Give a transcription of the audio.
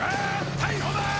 逮捕だー！